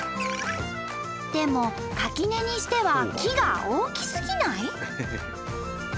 でも垣根にしては木が大きすぎない？